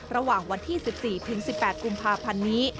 ระหว่างวันที่๑๔ถึง๑๘กุมภาพันธ์นี้